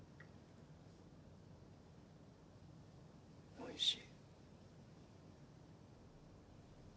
おいしい。